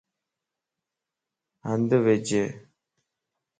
ھنڌ وج